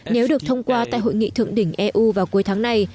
nếu được thông qua tại hội nghị thượng đỉnh eu vào cuối tháng này